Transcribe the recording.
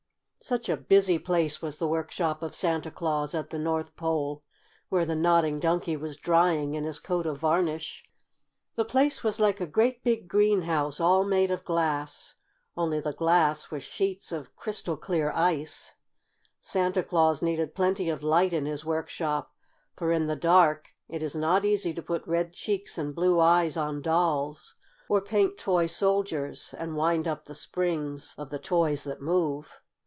Such a busy place was the workshop of Santa Claus at the North Pole, where the Nodding Donkey was drying in his coat of varnish! The place was like a great big greenhouse, all made of glass, only the glass was sheets of crystal clear ice. Santa Claus needed plenty of light in his workshop, for in the dark it is not easy to put red cheeks and blue eyes on dolls, or paint toy soldiers and wind up the springs of the toys that move.